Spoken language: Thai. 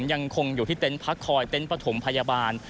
ยังคงอยู่ที่เต็นต์พักคอยเต็นต์ประถมพยาบาล